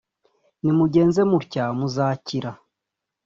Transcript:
nimugenze mutya muzakira